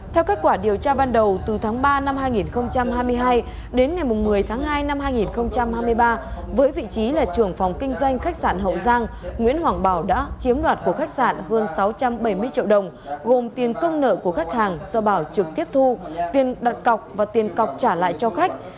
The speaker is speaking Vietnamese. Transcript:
theo kết quả điều tra ban đầu từ tháng ba năm hai nghìn hai mươi hai đến ngày một mươi tháng hai năm hai nghìn hai mươi ba với vị trí là trưởng phòng kinh doanh khách sạn hậu giang nguyễn hoàng bảo đã chiếm đoạt của khách sạn hơn sáu trăm bảy mươi triệu đồng gồm tiền công nợ của khách hàng do bảo trực tiếp thu tiền đặt cọc và tiền cọc trả lại cho khách